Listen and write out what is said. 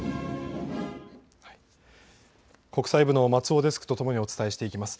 国際部の松尾デスクとともにお伝えしていきます。